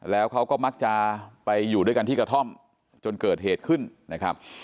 แล้วเขาก็มักจะไปอยู่ด้วยกันที่กระท่อมจนเกิดเหตุขึ้นนะครับ